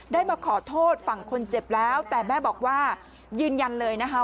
ได้มาขอโทษฝั่งคนเจ็บแล้วแต่แม่บอกว่ายืนยันเลยนะคะ